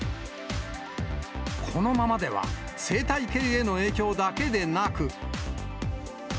このままでは、生態系への影響だけでなく。